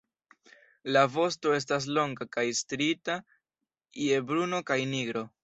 La vosto estas longa kaj striita je bruno kaj nigro.